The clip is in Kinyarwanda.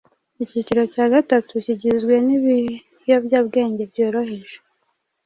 Icyiciro cya gatatu kigizwe n’ibiyobyabwenge byoroheje